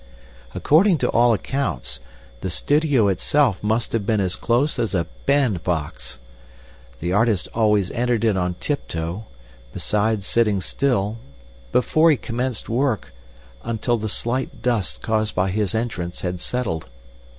According to all accounts, the studio itself must have been as close as a bandbox. The artist always entered it on tiptoe, besides sitting still, before he commenced work, until the slight dust caused by his entrance had settled.